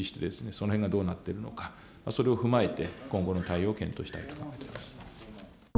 その辺がどうなってるのかそれを踏まえて今後の対応を検討したいと思っております。